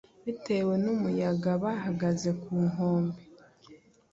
Bitewe numuyagabahagaze ku nkombe